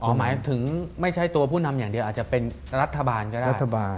หมายถึงไม่ใช่ตัวผู้นำอย่างเดียวอาจจะเป็นรัฐบาลก็ได้รัฐบาล